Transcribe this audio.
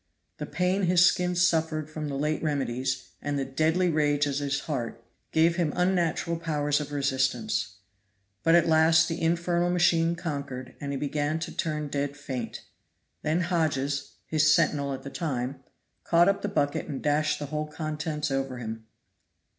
The pain his skin suffered from the late remedies, and the deadly rage at his heart, gave him unnatural powers of resistance; but at last the infernal machine conquered, and he began to turn dead faint; then Hodges, his sentinel at the time, caught up the bucket and dashed the whole contents over him.